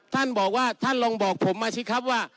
ท่านบอกว่าท่านลองบอกผมมาสิครับว่า